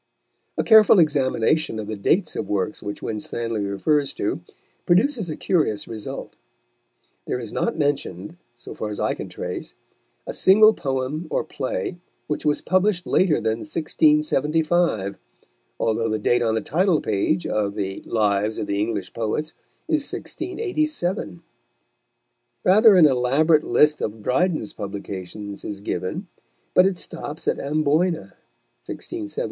A careful examination of the dates of works which Winstanley refers to, produces a curious result. There is not mentioned, so far as I can trace, a single poem or play which was published later than 1675, although the date on the title page of the Lives of the English Poets is 1687. Rather an elaborate list of Dryden's publications is given, but it stops at Amboyna (1673).